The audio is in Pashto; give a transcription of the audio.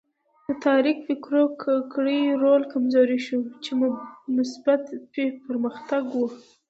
د تاریک فکرو کړیو رول کمزوری شو چې مثبت پرمختګ و.